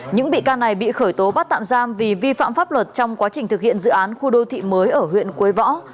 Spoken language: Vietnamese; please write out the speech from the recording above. những bị can này bị khởi tố bắt tạm giam vì vi phạm pháp luật trong quá trình thực hiện dự án khu đô thị mới ở huyện quế võ